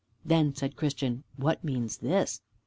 Then said Christian, "What means this?"